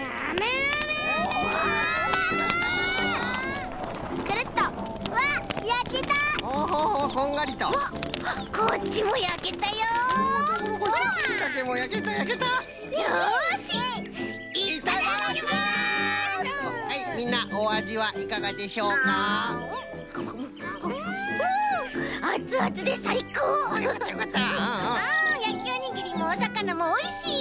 あやきおにぎりもおさかなもおいしい！